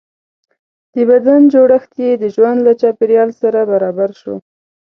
د بدن جوړښت یې د ژوند له چاپېریال سره برابر شو.